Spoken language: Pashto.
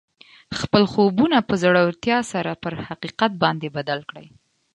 خپل خوبونه په زړورتیا سره پر حقیقت باندې بدل کړئ